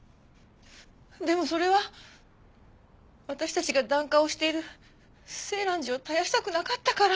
でもそれは私たちが檀家をしている静嵐寺を絶やしたくなかったから。